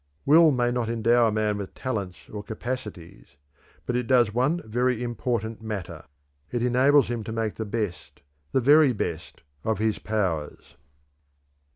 _ "Will may not endow man with talents or capacities; but it does one very important matter it enables him to make the best, the very best, of his powers."